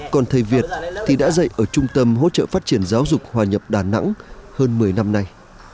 còn thầy việt thì đã dạy ở trung tâm hỗ trợ phát triển giáo dục hòa nhập đà nẵng hơn một mươi năm nay